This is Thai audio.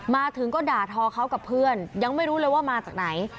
มาถึงก็ด่าทอเขากับเพื่อนยังไม่รู้เลยว่ามาจากไหน